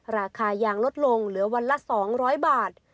ราคายางลดลงเหลือวันละ๒๐๐บาท